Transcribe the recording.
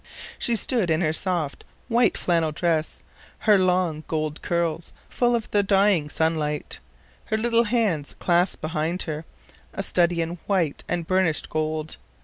She stood in her soft white flannel dress, her long gold curls full of the dying sunlight, her little hands clasped behind her, a study in white and burnished gold.